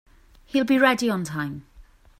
He'll be ready on time.